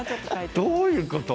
どういうこと？